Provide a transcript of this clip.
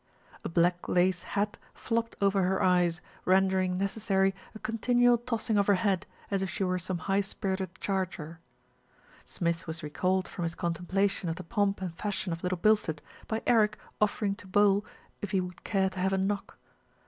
A black lace hat flopped over her eyes, render ing necessary a continual tossing of her head, as if she were some high spirited charger. Smith was recalled from his contemplation of the pomp and fashion of Little Bilstead by Eric offering to bowl if he would care to have "a knock."